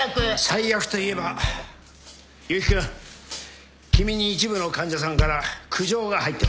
最悪といえば悠木君君に一部の患者さんから苦情が入ってます。